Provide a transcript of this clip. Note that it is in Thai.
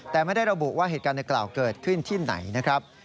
แต่ไม่ได้ระบุว่าเหตุการณ์ในกล่าวเกิดขึ้นที่ไหนนะครับ